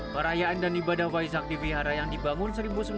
perayaan dan ibadah waisak di vihara yang dibangun seribu sembilan ratus empat puluh